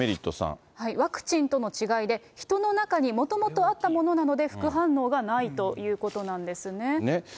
ワクチンとの違いで、人の中にもともとあったものなので、副反応がないということなんですね。